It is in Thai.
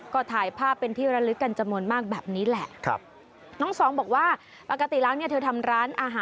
ก็ถ่ายภาพเป็นที่ระลึกจำนวนมากแบบนี้แหละ